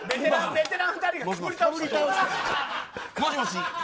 ベテラン２人がかぶり倒してる。